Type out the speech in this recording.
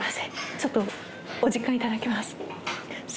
ちょっとお時間いただきます